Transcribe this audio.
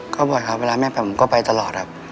ก็บ่อยครับเวลาแม่ไปผมก็ไปตลอดครับ